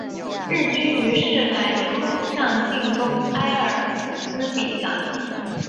日军于是改由陆上进攻莫尔兹比港。